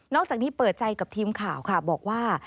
อกจากนี้เปิดใจกับทีมข่าวค่ะบอกว่า